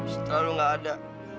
setelah lo gak ada